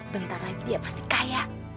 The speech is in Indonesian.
bentar lagi dia pasti kaya